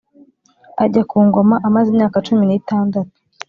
Ajya ku ngoma amaze imyaka cumi n itandatu